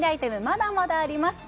まだまだあります